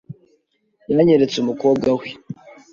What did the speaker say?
Yanyeretse umukobwa we .